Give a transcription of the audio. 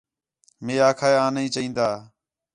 مئے آکھا ہِے آں نہیں چین٘داں